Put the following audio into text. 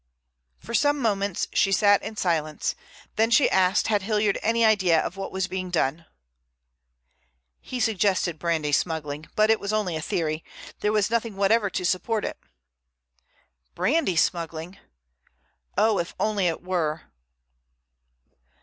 For some moments she sat in silence; then she asked had Hilliard any idea of what was being done. "He suggested brandy smuggling, but it was only a theory. There was nothing whatever to support it." "Brandy smuggling? Oh, if it only were!"